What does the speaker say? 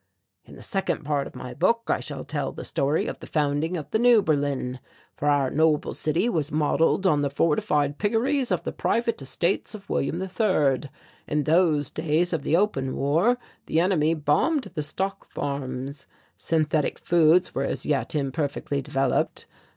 "In the second part of my book I shall tell the story of the founding of the New Berlin, for our noble city was modelled on the fortified piggeries of the private estates of William III. In those days of the open war the enemy bombed the stock farms. Synthetic foods were as yet imperfectly developed.